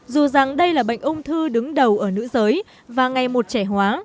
dù rằng đây là bệnh ung thư đứng đầu ở nữ giới và ngày một trẻ hóa